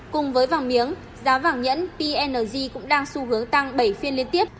cùng với vàng miếng giá vàng nhẫn png cũng đang xu hướng tăng bảy phiên liên tiếp